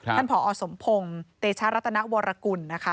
ท่านผอสมพงศ์เตชารัตนวรกุล